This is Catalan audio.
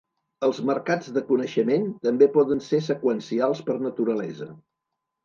Els mercats de coneixement també poden ser seqüencials per naturalesa.